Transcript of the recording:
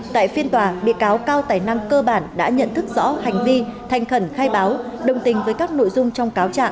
tại phiên tòa bị cáo cao tài năng cơ bản đã nhận thức rõ hành vi thành khẩn khai báo đồng tình với các nội dung trong cáo trạng